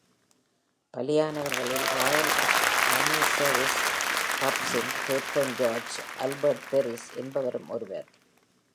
பலியானவர்களில் Royal Army Service கார்ப்ஸின் captain George Albert Peris என்பவரும் ஒருவர்.